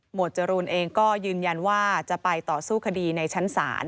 จรูนเองก็ยืนยันว่าจะไปต่อสู้คดีในชั้นศาล